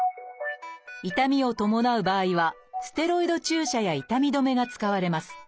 痛みを伴う場合はステロイド注射や痛み止めが使われます。